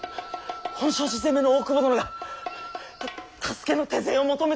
本證寺攻めの大久保殿がハアハアた助けの手勢を求めておられます！